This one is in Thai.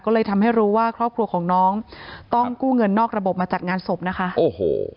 ก็เลยทำให้รู้ว่าครอบครัวของน้องต้องกู้เงินนอกระบบมาจัดงานศพนะคะโอ้โห